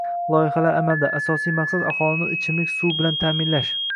Loyihalar amalda: asosiy maqsad aholini ichimlik suv bilan ta’minlashng